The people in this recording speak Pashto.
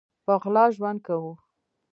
په غلا ژوند کوو